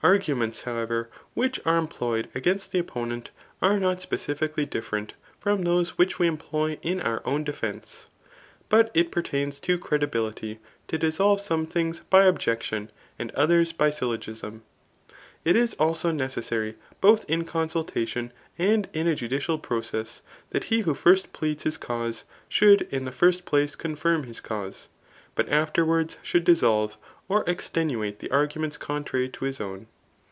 Argupients, however, which are employed ag»nst the opponent are not specifically different [from those which we employ in our own defence ;3 but it pertains to credi* bility, to dissolve some things by objection, and others by syllogism. It is also necessary both in consiiltadan and in a judicial process, that he who first pleads his cause, should in ihe first place confirm his cause, but afterwards should dissolve or extenuate the arguments contrary to his own.